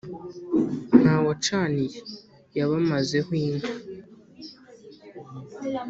nta wacaniye: yabamazeho inka